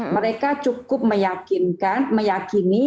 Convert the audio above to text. mereka cukup meyakini